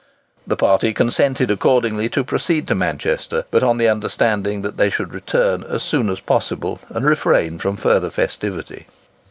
The party consented accordingly to proceed to Manchester, but on the understanding that they should return as soon as possible, and refrain from further festivity.